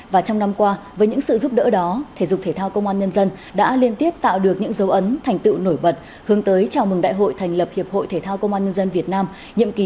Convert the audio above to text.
và trong năm qua với những sự giúp đỡ đó thể dục thể thao công an nhân dân đã liên tiếp tạo được những dấu ấn thành tựu nổi bật hướng tới chào mừng đại hội thành lập hiệp hội thể thao công an nhân dân việt nam nhiệm kỳ hai nghìn hai mươi hai nghìn hai mươi năm